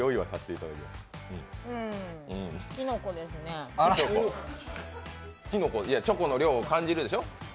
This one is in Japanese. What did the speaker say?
いや、チョコの量を感じるでしょ？